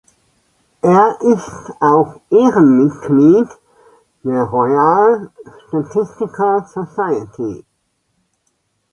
Er ist auch Ehrenmitglied der Royal Statistical Society.